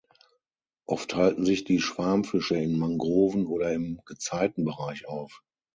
Oft halten sich die Schwarmfische in Mangroven oder im Gezeitenbereich auf.